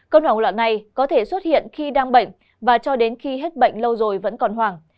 cơn hoảng loạn này có thể xuất hiện khi đang bệnh và cho đến khi hết bệnh lâu rồi vẫn còn hoảng